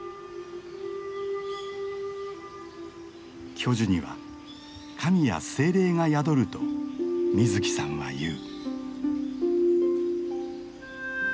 巨樹には神や精霊が宿ると水木さんは言う。